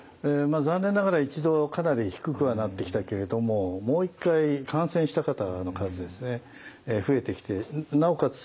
残念ながら一度かなり低くはなってきたけれどももう一回感染した方の数ですね増えてきてなおかつ